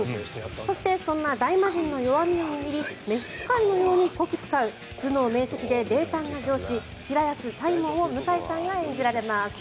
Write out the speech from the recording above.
そしてそんなダイマジンの弱みを握り召使のようにこき使う頭脳明晰で冷淡な上司平安才門を向井さんが演じられます。